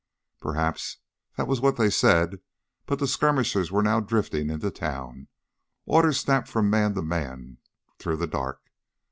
'" Perhaps that was what they said. But the skirmishers were now drifting into town. Orders snapped from man to man through the dark.